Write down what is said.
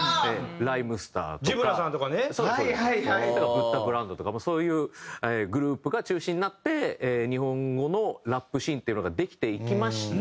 ＢＵＤＤＨＡＢＲＡＮＤとかそういうグループが中心になって日本語のラップシーンっていうのができていきました。